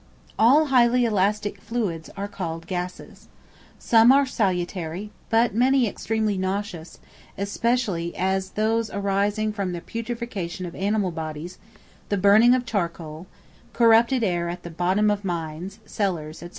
All highly elastic fluids are called gases. Some are salutary, but many extremely noxious, especially such as those arising from the putrefaction of animal bodies; the burning of charcoal; corrupted air at the bottom of mines, cellars, &c.